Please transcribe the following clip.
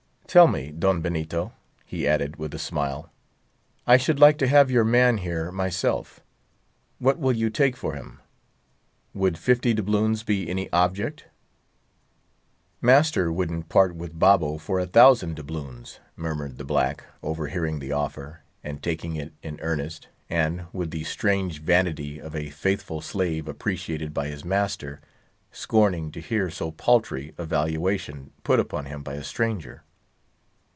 "Tell me, Don Benito," he added, with a smile—"I should like to have your man here, myself—what will you take for him? Would fifty doubloons be any object?" "Master wouldn't part with Babo for a thousand doubloons," murmured the black, overhearing the offer, and taking it in earnest, and, with the strange vanity of a faithful slave, appreciated by his master, scorning to hear so paltry a valuation put upon him by a stranger.